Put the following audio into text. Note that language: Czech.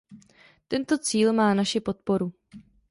Tento cíl má naši podporu.